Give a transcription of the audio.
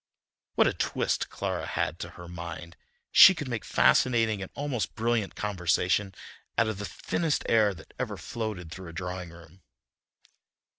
What a twist Clara had to her mind! She could make fascinating and almost brilliant conversation out of the thinnest air that ever floated through a drawing room.